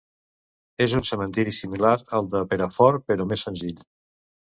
És un cementiri similar al de Perafort, però més senzill.